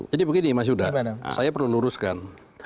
jadi begini mas yudha saya perlu luruskan